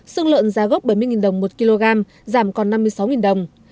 xương lợn giá gốc bảy mươi đồng một kg giảm còn năm mươi sáu đồng